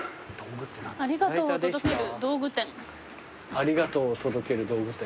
ありがとうを届ける道具店。